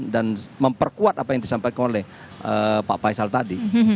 dan memperkuat apa yang disampaikan oleh pak faisal tadi